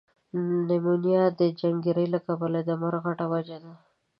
نمونیا ده جنګری له کبله ده مرګ غټه وجه ده۔